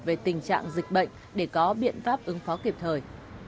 về tình trạng dịch bệnh để có biện pháp ứng phó kịp thời